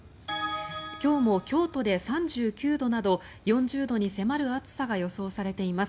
今日も京都で３９度など４０度に迫る暑さが予想されています。